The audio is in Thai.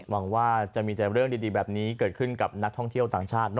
หวังว่าจะมีแต่เรื่องดีแบบนี้เกิดขึ้นกับนักท่องเที่ยวต่างชาติ